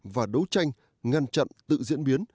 và đấu tranh ngăn chặn tự diễn biến